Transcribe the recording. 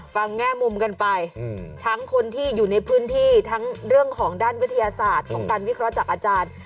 แง่มุมกันไปทั้งคนที่อยู่ในพื้นที่ทั้งเรื่องของด้านวิทยาศาสตร์ของการวิเคราะห์จากอาจารย์